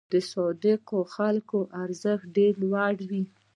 د صادقو خلکو ارزښت ډېر لوړ وي.